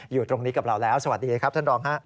อยู่ตรงนี้กับเราแล้วสวัสดีครับท่านรองฮะ